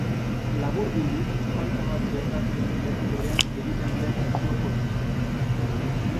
Laburbilduz, falta bat gertatu den leku berean egiten den joko-ekintza.